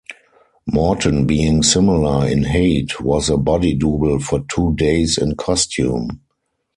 Morton being similar in height was a body double for two days in costume.